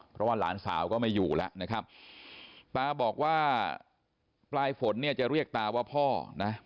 เพราะว่าหลานสาวก็ไม่อยู่แล้วนะครับตาบอกว่าปลายฝนเนี่ยจะเรียกตาว่าพ่อนะ